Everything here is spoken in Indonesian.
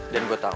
dan gue tau